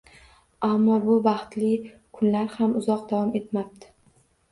Ammo bu baxtli kunlar ham uzoq davom etmabdi